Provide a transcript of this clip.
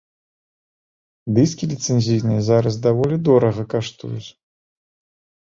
Дыскі ліцэнзійныя зараз даволі дорага каштуюць.